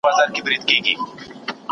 کتابونه وړه